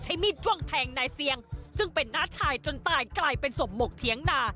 มีดจ้วงแทงนายเซียงซึ่งเป็นน้าชายจนตายกลายเป็นศพหมกเถียงนา